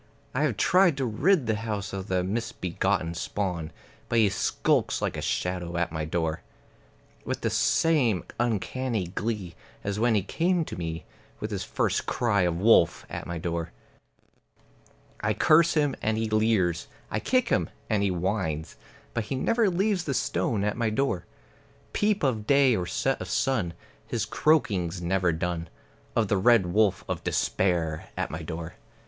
I have tried to rid the house of the misbegotten spawn; But he skulks like a shadow at my door, With the same uncanny glee as when he came to me With his first cry of wolf at my door. I curse him, and he leers; I kick him, and he whines; But he never leaves the stone at my door. Peep of day or set of sun, his croaking's never done Of the Red Wolf of Despair at my door.